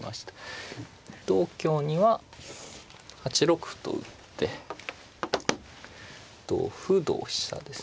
同香には８六歩と打って同歩同飛車ですね。